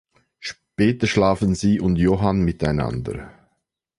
Später schlafen sie und Johan miteinander.